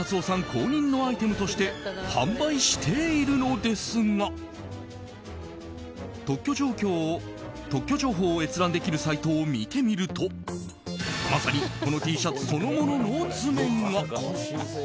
公認のアイテムとして販売しているのですが特許情報を閲覧できるサイトを見てみるとまさにこのＴシャツそのものの図面が。